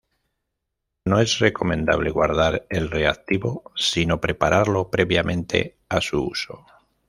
No es recomendable guardar el reactivo, sino prepararlo previamente a su uso.